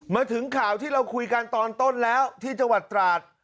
มาถึงข่าวที่เราคุยกันตอนต้นแล้วที่จังหวัดตราด